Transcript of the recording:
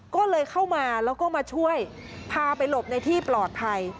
ก็เลยเข้ามาแล้วก็มาช่วยพาไปหลบในที่ปลอดภัย